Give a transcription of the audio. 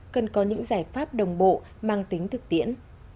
cần có những giải pháp đồng bộ mang tính thực tiễn